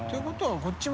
こっちも。